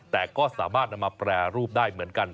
แต่ก็สามารถนำมาแปรรูปได้เหมือนกัน